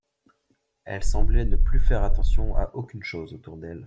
Elle semblait ne plus faire attention à aucune chose autour d'elle.